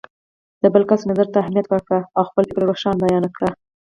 د بل کس نظر ته اهمیت ورکړئ او خپل فکر روښانه بیان کړئ.